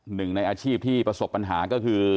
หนึ่งในอาชีพที่ประสบปัญหาก็คือ